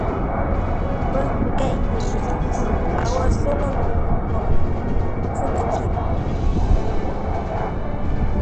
Pə́ ghʉ ńkéʼ yé, a wo só lə́ məngənkhwoŋ, ə́ mpfúŋə́ cər khwo.